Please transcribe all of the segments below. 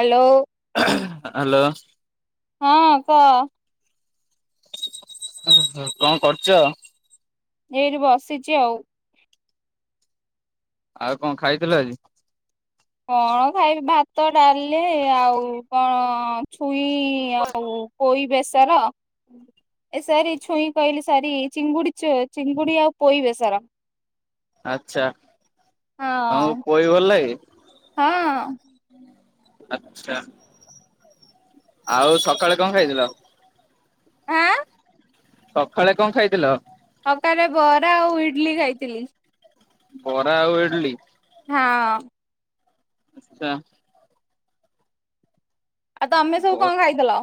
Hello. Hello. ହଁ କଅ। ଓହୋ କଁ କରୁଚ । ଏଇଠି ବସିଛି ଆଉ। ଆଉ କଣ ଖାଇଥିଲ ଆଜି। କଣ ଖାଇବି ଭାତ ଡାଲି ଆଉ କଣ ଛୁ ଛୁଇଁ ଆଉ ପୋଇ ବେସର। ଏ ସରି ଛୁଇଁ କହିଲି ସରି ଚିଙ୍ଗୁଡି ଚ ଚିଙ୍ଗୁଡି ଆଉ ପୋଇ ବେସର। ଆଛା ତମକୁ ହଁ ପୋଇ ଭଲ ଲାଗେ। ହଁ ଆଛା ଆଉ ସକାଳେ କଣ ଖାଇଥିଲ। ଆଁ ସକାଳେ କଣ ଖାଇଥିଲ। ସକାଳେ ବରା ଆଉ ଇଡଲି ଖାଇଥିଲି। ବରା ଆଉ ଇଡିଲ। ହଁ। ଆଛା। ଆଉ ତମେ ବ ସବୁ କଣ ଖାଇଥିଲ।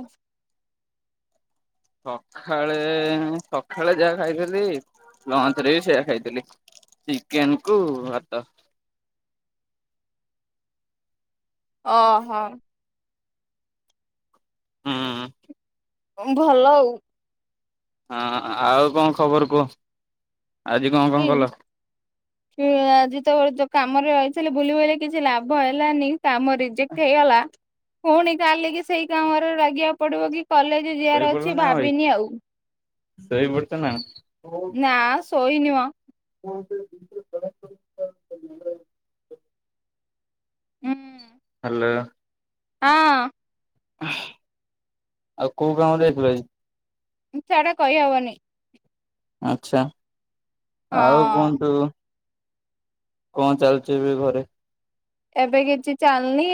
ସଖାଳେ ସଖାଳେ ଯାହା ଖାଇଥିଲି। ଲଞ୍ଚ ରେ ବି ସେଇଆା ଖାଇଥିଲି ଚିକେନ କୁ ଭାତ। ଓ ହ। ହୁଁ। ଉଁ ଭଲ ଆଉ। ହଁ ଆଉ କଣ ଖବର କୁହ। ଆଜି କଣ କଣ କି‌ କଲ? କିଏ ଆଜିତ । କାମରେ ରହିଥିଲି ବୁଲି ବାଲି କିଛି ଲାଭ ହେଲାନି କାମ ରିଜେକ୍ଟ ହେଇଗଲା। ପୁଣି କାଲିକି ସେଇ କାମରେ ଲାଗିବାକୁ ପଡିବ କି କଲେଜ ଯିବାର ଅଛି ଭାବିନି ଆଉ। ଶୋଇ ପଡ଼ିଚନ । ନା ଶୋଇନି ମ। [unintelligible] ହୁଁ। ଲ। ହଁ। ଆଉ କୋଉ କାମରେ ଯାଇଥିଲ ଆଜି। ଛାଡ କହିହବନି। ଆଛା ଆଉ ହଁ। କୁହନ୍ତୁ। କଣ ଚାଲିଚି ଏବେ ଘରେ। ଏବେ କିଛି ଚାଲୁନି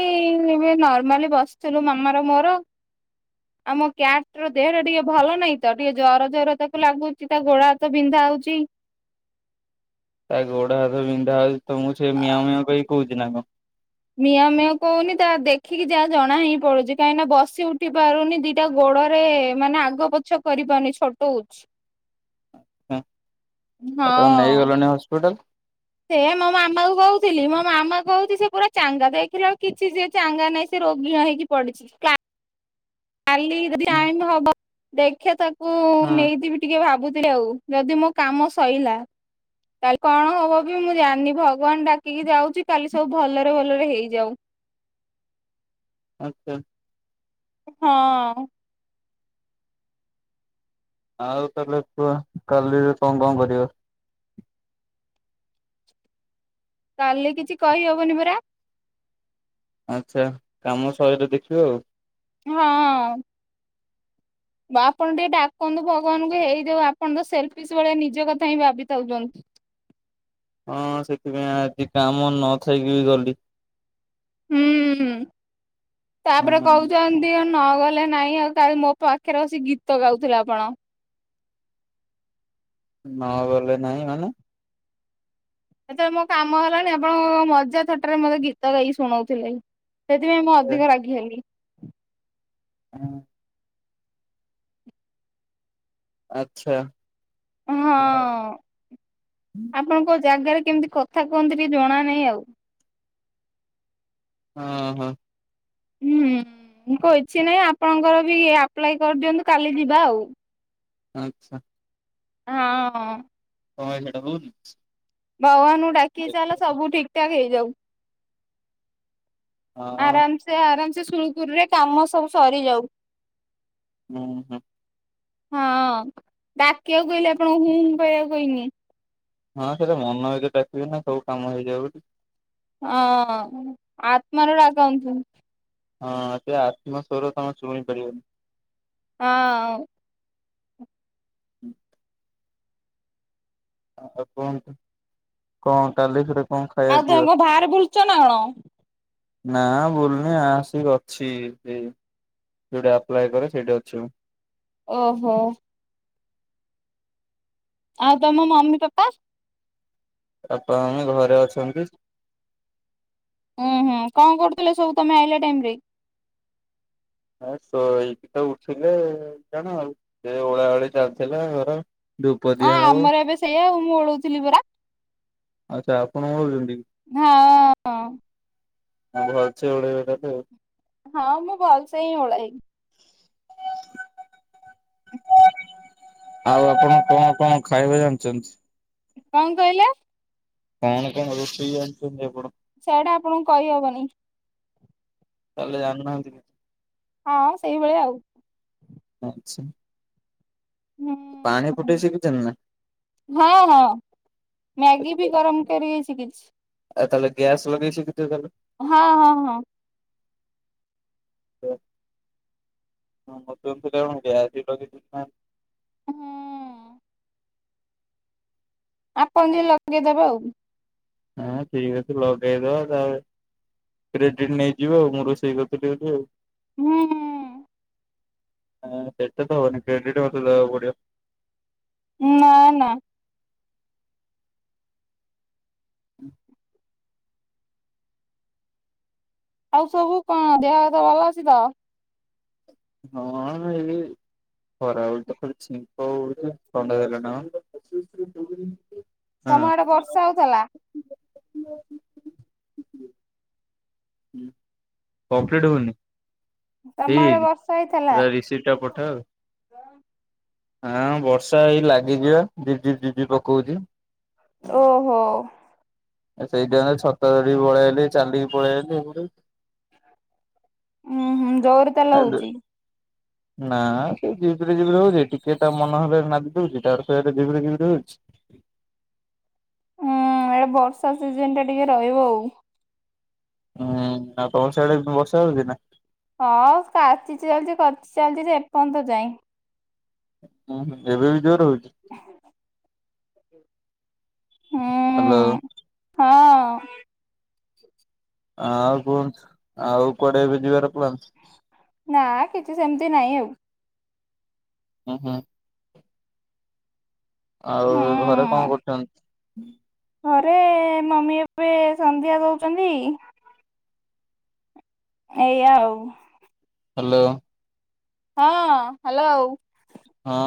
ଏବେ ନର୍ମାଲି ବସିଥିଲୁ ମାମାର ମୋର। ଆମ କ୍ୟାଟ ର ଦେହ ଟା ଟିକେ ଭଲ ନାହିଁ ତ। ଟିକେ ଜର ଜର ତାକୁ ଲାଗୁଚି। ତା ଗୋଡହାତ ବିନ୍ଧା ଆଉଚି। ତା ଗୋଡ ହାତ ବିନ୍ଧା ହଉଚି। ତମକୁ ସେ ମିଆଁଉ ମିଆଁଉ କହିି କହୁଛି ନା କଣ? ମିଆଁଉ ମିଆଁଉ କହୁନି ତା ଦେଖିକି ଯାହା ଜଣା ହିଁ ପଡୁଚୀ। କାହିଁକି ନା ବସି ଉଠି ପାରୁନି। ଦିଟା ଗୋ ଗୋଡରେ ମାନେ ଆଗ ପଛ କରିିପାରୁନି ଛୋଟଉଛି। ଅ ହ ଆଉ ତାକୁ ନେଇଗଲନି ହସ୍ପିଟାଲ। ସେଇଆ ମୋ ମାମା କୁ କହୁଥିଲି ।ମୋ ମାମା କହୁଛି ସେ ପୁରା ଚାଙ୍ଗା। ଦେଖିଲା ବେଳକୁ କିଛି ସିଏ ଚାଙ୍ଗା ନାହିଁ। ସେ ରୋଗୀଆ ହେଇକି ପଡିଚି। କା କାଲିି ଟାଇମ ହବ, ଦେଖିଆ ତାକୁ ହଁ ନେଇଦିବି ଟିକେ ଭାବୁ ଯିବି ଆଉ ଯଦି ମୋ କାମ ସଇଲା। କାଲି କଣ ହବ ବି ମୁଁ ଜାଣିନି? ଭଗବାନ ଡାକିକି ଯାଉଚି। କାଲି ସବୁ ଭଲରେ ଭଲରେ ହେଇଯାଉ। ଆଛା। ହଁ। ଆଉ ତାହେଲେ କୁହ କାଲି କଣ କଣ କରିବ? କାଲି କିଛି କହିହବନି ପରା। ଆଚ୍ଛା କାମ ଶଇଲେ ଦେଖିବେ‌ ଆଉ। ହଁ। ଆପଣ ଟିକେ ଡାକନ୍ତୁ ଭଗବାନଙ୍କୁ ହେଇଯାଉ। ଆପଣତ ସେଲଫିସ ଭଳିଆ ନିଜ କଥା ହିଁ ଭାବିଥାଉଛନ୍ତି। ହଁ ସେଥିପାଇଁ ଆଜି କାମ ନଥାଇକି ବି ଗଲି। ହୁଁ ହଁ ତାପରେ ହଁ କହୁଚନ୍ତି? ଏ ନ ଗଲେ ନାଇଁ ଆଉ କାଲି ମୋ ପାଖରେ ଆସି ଗୀତ ଗାଉଥିଲେ ଆପଣ। ନ ଗଲେ ନାହିଁ ମାନେ? ସେତେବେଳେ ମୋ କାମ ହେଲାଣି। ଆପଣଙ୍କ ମଜା ଥଟାରେ ମତେ ଗୀତ ଗାଇକି ଶୁଣଉଥିଲେ। ସେଥିପାଇଁ ମୁଁ ଅଧିକ ରାଗି ହେଲି। ହଁ। ଆଛା। ହଁ। ଆପଣଙ୍କ ଜାଗାରେ କେମିତି କଥା କୁହନ୍ତି ଟିକେ ଜଣା ନାହିଁ ଆଉ। ହଁ ହଁ। ହୁଁ। ମୁଁ କହିଛି ନାହିଁ ଆପଣଙ୍କର ବି ଆପ୍ଲାଏ କରିଦିଅନ୍ତୁ। କାଲି ଯିବା ଆଉ। ଆଚ୍ଛା। ହଁ। ତମର ସେଇଟା ହଉନି। ଭଗବାନଙ୍କୁ ଡାକି ଚାଲ ସବୁ ଠିକ ଠାକ ହେଇଯାଉ। ହଁ ଆରାମସେ ଆରାମସେ ସୁରୁଖୁରୁରେ କାମ ସବୁ ସରିଯାଉ। ଉଁ ହୁଁ। ହଁ ଡାକିଆକୁ କହିଲେ ଆପଣଙ୍କୁ ହୁଁ କହିବାକୁ କହିନି। ହଁ ସେଟା ମନ ଭିତରେ ଡାକିବେ ନା ସବୁ କାମ ହେଇଯାଉ ବୋଲି। ଅହ ଆତ୍ମାରୁ ଡାକନ୍ତୁ। ହଁ ସେ ଆତ୍ମା ସ୍ୱର ତମେ ଛୁଇଁ ପାରିବନି। ହଁ। ହୁଁ। ଅ କୁହନ୍ତୁ କଣ କାଲି ଫେରେ କଣ ଖାଇବା ଆଉ ତୁମେ ପିଇବା? କଣ ବାହାରେ ବୁଲୁଚ ନା କଣ? ନା ବୁଲୁନି ଆସିକି ଅଛି। ସେ ଯୋଉଠି ଆପ୍ଲାଏ କରେ ସେଇଟି ଅଛି ମୁଁ। ଓହୋ। ଆଉ ତମ ମମି ପାପା। ପାପା, ମମି ଘରେ ଅଛନ୍ତି। ଉଁ ହୁଁ କଣ କରୁଥିଲେ ସବୁ ତମେ ଆଇଲା ଟାଇମରେ? ଏ ଶୋଇକି ତ ଉଠିଲେ ଜାଣ ଆଉ ସେ ଓଳା ଓଳି ଚାଲିଥିଲା ଘର। ଧୂପ ହଁ ଦିଆ ହବ ଆମର ଏବେ ସେଇୟା ହଉ ମୁଁ ଓଳଉଥିଲି ପରା। ଆଚ୍ଛା ଆପଣ କଣ କରୁଛନ୍ତି? ହଁ। [unintelligible] ହଁ ମୁଁ ଭଲସେ ହିଁ ଓଳାଏ। ଆଉ ଆପଣ କଣ କଣ ଖାଇବା ଜାଣିଛନ୍ତି? କଣ କହିଲ? କଣ କଣ ରୋଷେଇ ଜାଣିଛନ୍ତି ଆପଣ? ସେଇଟା ଆପଣଙ୍କୁ କହିହବନି। ତାହଲେ ଜାଣିନାହାନ୍ତି କେମିତି? ହଁ ସେଇଭଳିଆ ଆଉ। ଆଚ୍ଛା। ହୁଁ। ପାଣି ଫୁଟେଇ ଶିଖିଛ ନା? ହଁ ହଁ ମ୍ୟାଗି ବି ଗରମ କରି ସିକିଛି। ଆଉ ତାହେଲେ ଗ୍ୟାସ୍ ଲଗେଇ ସିକିଥିବ ତାହେଲେ? ହଁ ହଁ ହଁ। [unintelligible] ହଁ ମତେ ଏମିତି। [unintelligible] ହୁଁ ଆପଣ ଯୋଉ ଲଗେଇଦବେ ଆଉ। ହଁ ଠିକ୍ ଅଛି ଲଗେଇଦବା ତାହାଲେ। ରେଡି ନେଇଯିବ ଆଉ ମୋର ସେଇ କଥା ବୋଲି ଆଉ ହୁଁ। ହଁ ସେଟା ତ ହବନି କ୍ରେଡିଟ ମତେ ଦେବାକୁ ପଡିବ। ନା ନା। ଉଁ। ଆଉ ସବୁ କଣ ଦେହ ହାତ ଭଲ ଅଛି ତ? ହଁ ହେଲେ ଇଏ ଖରା ବେଳଟା ଖାଲି ଛିଙ୍କ ହୋଉଛି ଥଣ୍ଡା ଧଇଲା ନା କଣ? ତମ ଆଡେ ବର୍ଷା ହଉଥିଲା? ହଁ କମ୍ପ୍ଲିଟ ହଉନି ତମ ହେଇ ଆଡେ ବର୍ଷା ହେଇଥିଲା? ରିସିପ୍ଟ ଟା ପଠା ଆଉ। ହଁ ବର୍ଷା ଏଇ ଲାଗିଯିବ ଜିଜିି ଜିଜିି ପକଉଛି। ଓହୋ। ସେଇଟା ଛତା ଧରିକି ପଳେଇଆଇଲି ଚାଲିକି ପଳେଇଲି। ଉଁ ହୁଁ ଜୋର ତାହେଲେ ହଉଛି? ନା ସେଇ ଧୀରେ ଧୀରେ ଧୀରେ ହୋଉଛି ଟିକେ ତା ମନ ହେଲେ ନାଦିଦେଉଛି ତାପରେ ଧୀରେ ଧୀରେ ଧୀରେ ହୋଉଛି। ହୁଁ ଏଇଟା ବର୍ଷା ସିଜନ ଟା ଟିକେ ରହିବ ଆଉ। ହୁଁ ଆଉ ତମର ସିଆଡେ ବର୍ଷା ହଉଛି ନା? ହଁ କାଚି ଚାଲିଛି କାଚି ଚାଲିଛି ଯେ ଏପର୍ଯ୍ୟନ୍ତ ଯାଏଁ। ହୁଁ ଏବେବି ଜୋରେ ହୋଉଛି? ହୁଁ। ହ୍ୟାଲୋ। ହଁ ଆଉ କୁହନ୍ତୁ ଆଉ କୁଆଡେ ଏବେ ଯିବାର ପ୍ଲାନ? ନା କିଛି ସେମିତି ନାହିଁ ଆଉ। ଓ ହୋ ଆଉ ଘରେ କଣ ହୁଁ। କରୁଛନ୍ତି? ଘରେ ମମି ଏବେ ସନ୍ଧ୍ୟା ଦଉଛନ୍ତି ଏଇ ଆଉ ହ୍ୟାଲୋ ହଁ ହ୍ୟାଲୋ ହଁ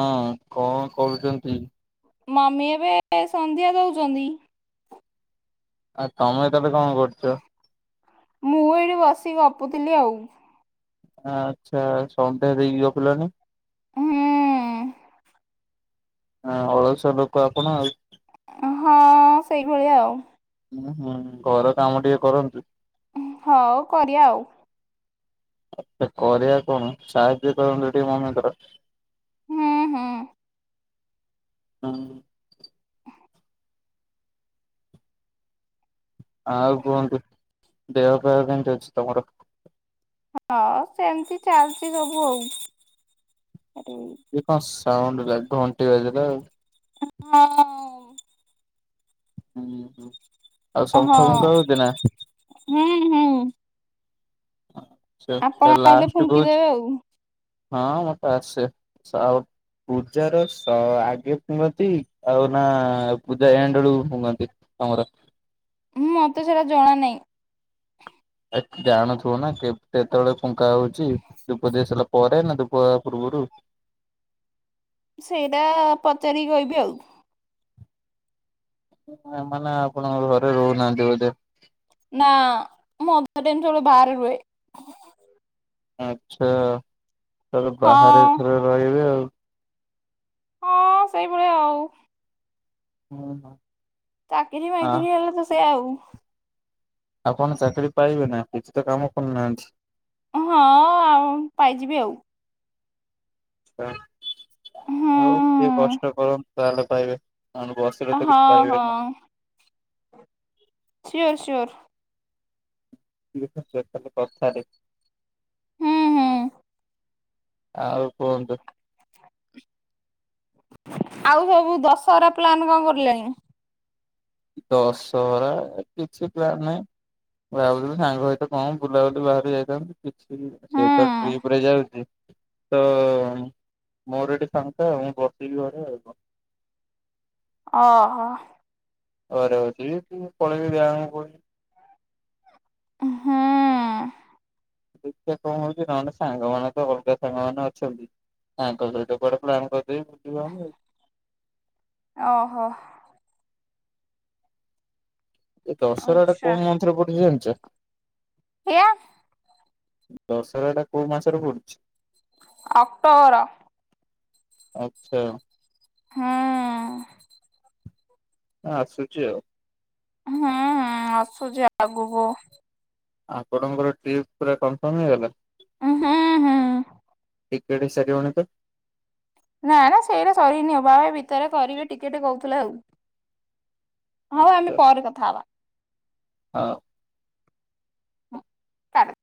କଣ କରୁଛନ୍ତି ମାମି ଏବେ ସନ୍ଧ୍ୟା ଦଉଛନ୍ତି ଆ ତମେ ଏ ତ ତ କଣ କରୁଛ? ମୁଁ ଏଠି ବସି ଗପୁଥିଲି ଆଉ। ଆଚ୍ଛା ସନ୍ ଡେ ଦେଇକି ଗଫିଲନି। ହୁଁ। ହଁ ଅଳଶୁଆ ଲୋକ ଆପଣ ଆଉ। ହଁ ସେଇଭଳିଆ ଆଉ। ହୁଁ ହୁଁ ଘର କାମ ଟିକେ କରନ୍ତୁ। ହଉ କରିବା ଆଉ। ଆଛା କରିବା କଣ ସାହାଯ୍ୟ କରନ୍ତୁ ଟିକେ ମମିକ ର। [inaudible] ହୁଁ ହୁଁ ହଁ। ଆଉ କୁହନ୍ତୁ ଦେହପା ହ କେମିତି ଅଛି ତମର? ହଁ ସେମିତି ଚାଲିଛି ସବୁ ଆଉ। କଣ ସାଉଣ୍ଡ ଘଣ୍ଟି ବାଜିଲ ଆଉ। ହଁ। ହଁ ହ ଆଉ ହଁ ଶଙ୍ଖ ଫୁଙ୍ଖ ହଉଛି ନା। ହୁଁ ହୁଁ। ଆପଣ ଆଛା ଆଇଲେ ଲାଷ୍ଟ କହୁଛ ଫୁଙ୍କିଦେବେ ଆଉ ହଁ ମୋଟେ ଆସେ ସାଉଟ ପୂଜାର ସ ଆଗେ ଫୁକନ୍ତି ଆଉ ନା ପୂଜା ଏଣ୍ଡ ବେଳକୁ ଫୁକନ୍ତି? ତମର। ମତେ ସେଟା ଜଣା ନାହିଁ। ଜାଣୁଥିବ ନା କେ କେତେବେଳେ ଫୁଙ୍କା ହଉଛି ଧୂପ ଦିୟା ସ ପରେ ନା ଧୂପ ଦବା ପୂର୍ବରୁ। ସେଇଟା ପଚାରି କହିବି ଆଉ। ମାନେ ଆପଣଙ୍କ ଘରେ ରହୁନାହାନ୍ତି ବୋଧେ। ନା ମୁଁ ଅଧା ଦିନ ସବୁବେଳେ ବାହାରେ ରୁହେ। ଆଛା ତ ବାହାରେ ହଁ ଏଥର ରହିବେ ଆଉ। ହଁ ସେଇଭଳିଆ ଆଉ। ହଁ ହଁ। ଚାକିରି ବାକିରି ହେଲେ ତ ସେ ଆଉ। ଆପଣ ଚାକିରି ପାଇବେ ନା କିଛି ତ କାମ କରୁନାହାନ୍ତି। ହଁ ଆଉ ପାଇଯିବି ଆଉ। ହୁଁ ହଉ ଟିକିଏ କଷ୍ଟ କର ତାହେଲେ ପାଇବେ। ଆ ବସିଲେ ତ କିଛି ହଁ ପାଇିବେନି। ହଁ ସିଓର ସିଓର। [inaudible] କଥାରେ ହୁଁ ହୁଁ ଆଉ କୁହନ୍ତୁ। ଆଉ ସବୁ ଦଶହରା ପ୍ଲାନ କଣ କରିଲେଣି? ଦଶହରା କିଛି ପ୍ଲାନ ନାହିଁ। ମୁଁ ଭାବୁଥିଲି ସାଙ୍ଗ ସହିତ କଣ ବୁଲାବୁଲି ବାହରେ ଯାଇଥାନ୍ତୁ, କିଛି ସେ ତ ହୁଁ ଟ୍ରିପ ରେ ଯାଉଛି। ତ ମୋର ଏଠି ଫାଙ୍କା ଆଉ, ମୁଁ ବସିବି ଘରେ ଆଉ। ଅ ହୋ। ଘରେ ଅଛି ପଳେଇବି [unintelligible] ହଁ। ଦେଖିବା କଣ ହଉଛି ନହେଲେ ସାଙ୍ଗ ମାନେ ତ ଅଲଗା ସାଙ୍ଗ ମାନେ ଅଛନ୍ତି। ତାଙ୍କ ସହିତ କୁଆଡେ ପ୍ଲାନ ସେ ମ ବୁଦ୍ଧି ବାହାରିଲେ। ଓହୋ ଏଇ ଦଶହରା ଟା ଆଚ୍ଛା କୋଉ ମନ୍ଥ ରେ ପଡୁଛି ଜାଣିଚ? ହେୟାର। ଦଶହରା ଟା କୋଉ ମାସରେ ପଡୁଚି? ଅକ୍ଟୋବର। ଆଚ୍ଛା। ହଁ। ଆସୁଚି ଆଉ। ହୁଁ ଆସୁଚି ଆଗକୁ। ଆପଣଙ୍କ ଟ୍ରିପ୍ ପୁରା କନଫର୍ମ ହେଇଗଲା। ହୁଁ ହୁଁ ଟିକେଟ ହେଇ ସାରିବଣି ତ? ନା ନା ସେଇଟା ସରିନି ବାବା ଭିତରେ କରିବେ ଟିକେଟ କହୁଥିଲା ଆଉ। ହଁ ଆମେ ପରେ କଥା ହବା। ହଁ। ହଁ ତାପରେ